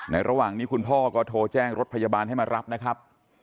ระหว่างนี้คุณพ่อก็โทรแจ้งรถพยาบาลให้มารับนะครับ